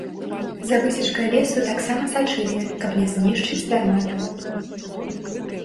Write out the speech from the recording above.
За высечкай лесу таксама сачылі, каб не знішчаць дарма дрэў.